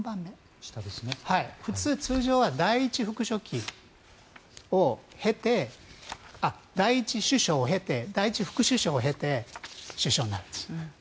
普通、通常は第１首相を経て第１副首相を経て首相になるんです。